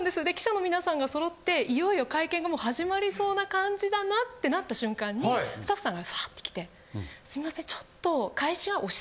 で記者の皆さんが揃っていよいよ会見がもう始まりそうな感じだなってなった瞬間にスタッフさんがサーッて来て「すみませんちょっと」。